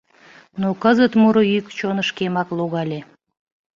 Но кызыт муро йӱк чонышкемак логале.